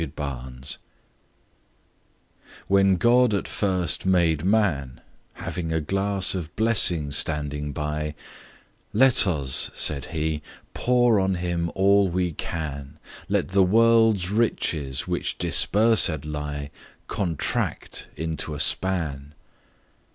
The Pulley WHEN God at first made Man, Having a glass of blessings standing by—Let us (said He) pour on him all we can; Let the world's riches, which dispersèd lie, Contract into a span.